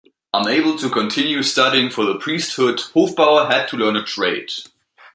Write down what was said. Unable to continue studying for the priesthood, Hofbauer had to learn a trade.